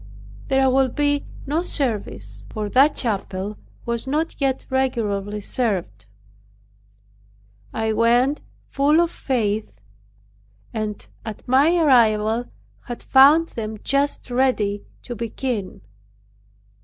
There will be no service." For that chapel was not yet regularly served. I went full of faith and at my arrival have found them just ready to begin.